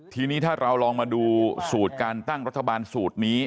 ทีนี้ถ้าเราลองมาดูสูตรการตั้งรัฐบาลสูตรนี้